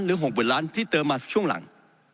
หรือ๖หมื่นล้านที่เติมมาช่วงหลัง